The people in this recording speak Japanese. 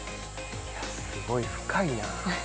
すごいな、深いなあ。